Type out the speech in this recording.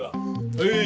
はい！